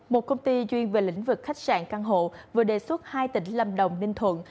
một công ty duyên về lĩnh vực khách sạn căn hộ vừa đề xuất hai tỉnh lâm đồng ninh thuận